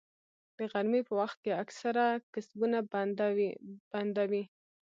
د غرمې په وخت کې اکثره کسبونه بنده وي